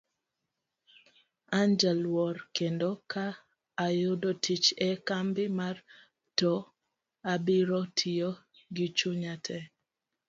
An jaluor kendo ka ayudo tich e kambi mar to abiro tiyo gichunya te.